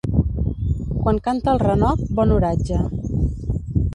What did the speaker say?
Quan canta el renoc, bon oratge.